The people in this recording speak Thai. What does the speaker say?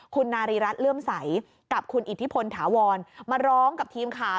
คุณนารีรัฐเลื่อมใสกับคุณอิทธิพลถาวรมาร้องกับทีมข่าว